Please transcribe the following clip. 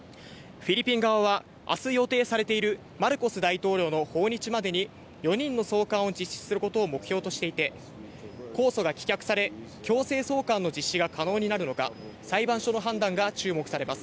フィリピン側は明日予定されているマルコス大統領の訪日までに４人の送還を実施することを目標としていて、控訴が棄却され、強制送還の実施が可能になるのか、裁判所の判断が注目されます。